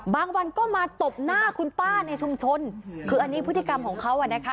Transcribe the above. บางวันก็มาตบหน้าคุณป้าในชุมชนคืออันนี้พฤติกรรมของเขาอ่ะนะคะ